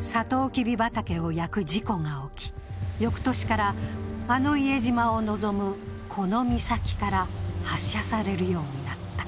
さとうきび畑を焼く事故が起き翌年からあの伊江島を望むこの岬から発射されるようになった。